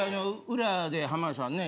・裏で浜田さんね